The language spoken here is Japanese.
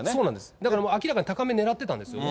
だからもう明らかに高めを狙ってたんですよね。